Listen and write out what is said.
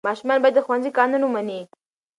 ماشومان باید د ښوونځي قانون ومني.